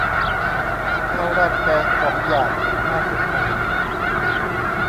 ข้าวราดแกงสองอย่าง ห้าสิบบาท